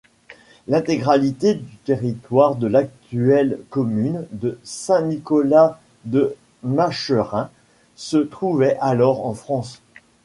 L'intégralité du territoire de l'actuelle commune de Saint-Nicolas-de-Macherin se trouvait alors en France.